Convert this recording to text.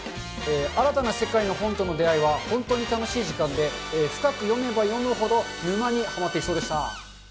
新たな世界の本との出会いは本当に楽しい時間で、深く読めば読むほど、沼にはまっていきそうでした。